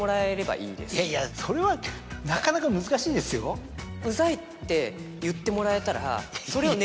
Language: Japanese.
いやいやそれはなかなか難しいですよ。って言ってもらえたらそれを。